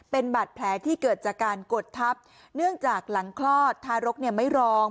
เป็นบาดแผลที่เกิดจากการกดทับเนื่องจากหลังคลอดทารกไม่รอง